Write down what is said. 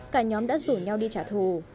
cả nhóm đã rủ nhau đi trả thù